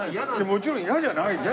もちろん嫌じゃないですよ。